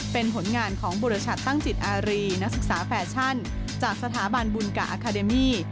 เป็นผลงานของบริษัทตั้งจิตอารีนักศึกษาแฟชั่นจากสถาบันบุญกะอาคาเดมี่